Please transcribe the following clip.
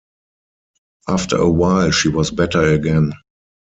After a while she was better again.